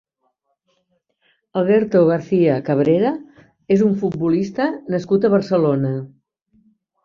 Alberto García Cabrera és un futbolista nascut a Barcelona.